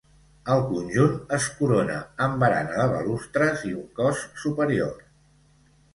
El conjunt es corona amb barana de balustres i un cos superior.